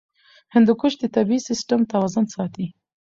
هندوکش د طبعي سیسټم توازن ساتي.